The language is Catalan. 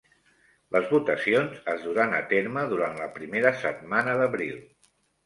Les votacions es duran a terme durant la primera setmana d'abril.